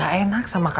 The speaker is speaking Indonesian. gak enak sama gajinya